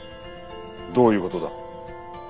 どういう事だ？